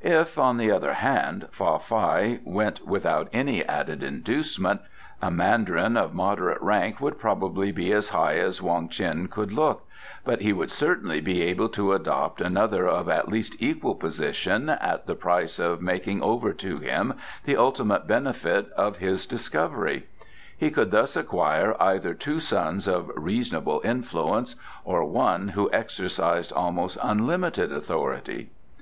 If, on the other hand, Fa Fai went without any added inducement, a mandarin of moderate rank would probably be as high as Wong Ts'in could look, but he would certainly be able to adopt another of at least equal position, at the price of making over to him the ultimate benefit of his discovery. He could thus acquire either two sons of reasonable influence, or one who exercised almost unlimited authority.